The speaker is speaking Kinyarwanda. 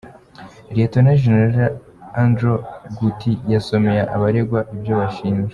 Lt GenÂ AndrewÂ Gutti yasomeye abaregwa ibyo bashinjwa.